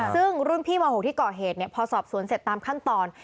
ซึ่งรุ่นพี่ม๖ที่ก่อเหตุพอสอบสวนเสร็จตามขั้นตอน